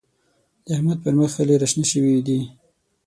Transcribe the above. د احمد پر مخ خلي راشنه شوي دی.